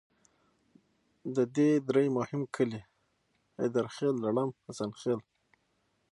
د دې درې مهم کلي حیدرخیل، لړم، حسن خیل.